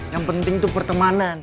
yang penting tuh pertemanan